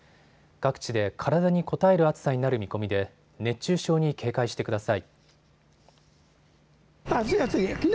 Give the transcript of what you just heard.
各地で体にこたえる暑さになる見込みで熱中症に警戒してください。